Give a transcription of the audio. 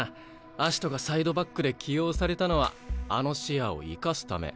アシトがサイドバックで起用されたのはあの視野を生かすため。